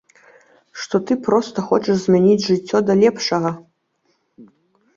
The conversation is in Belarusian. Што ты проста хочаш змяніць жыццё да лепшага.